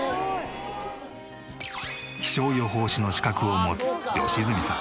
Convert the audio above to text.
気象予報士の資格を持つ良純さん。